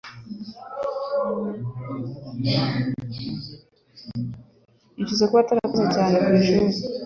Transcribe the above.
Yicuza kuba atarakoze cyane ku ishuri.